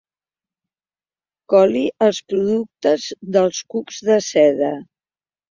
Coli els productes dels cucs de seda.